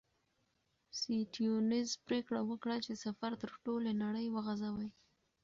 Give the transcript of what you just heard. سټيونز پرېکړه وکړه چې سفر تر ټولې نړۍ وغځوي.